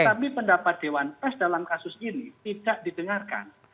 tetapi pendapat dewan pers dalam kasus ini tidak didengarkan